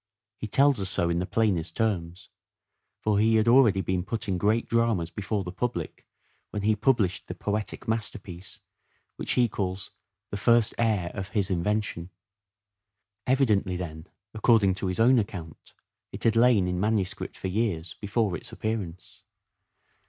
He tells us so in the plainest terms. For he had already been putting great dramas before the public when he published the poetic masterpiece which he calls " the first heir of (his) invention." Evidently then, according to his own account, it had lain in manuscript for years before its appearance.